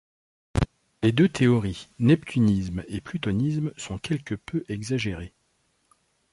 Les deux théories, neptunisme et plutonisme, sont quelque peu exagérées.